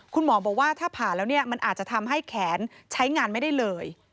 คุณหมอบอกว่าถ้าผ่าแล้วเนี่ยมันอาจจะทำให้แขนใช้งานไม่ได้เลย